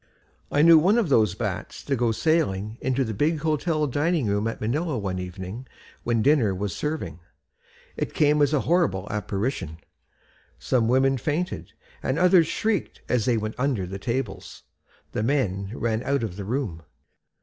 I knew one of those Bats to go sailing into the big hotel dining room at Manila one evening when dinner was serving. It came as a horrible apparition. Some women fainted and others shrieked as they went under the tables. The men ran out of the room.